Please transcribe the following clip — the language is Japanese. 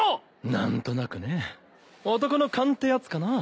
何となくね男の勘ってやつかな。